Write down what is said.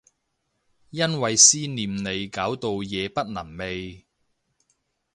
因為思念你搞到夜不能寐